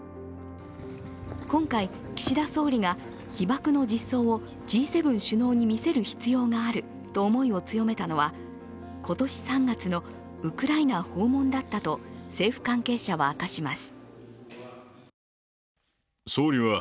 今回、岸田総理が被爆の実相をＧ７首脳に見せる必要があると思いを強めたのは今年３月のウクライナ訪問だったと政府関係者は明かします。